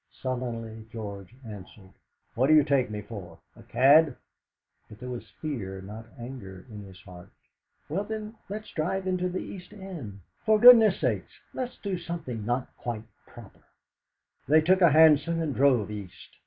Sullenly George answered: "What do you take me for? A cad?" But there was fear, not anger, in his heart. "Well, then, let's drive into the East End. For goodness' sake, let's do something not quite proper!" They took a hansom and drove East.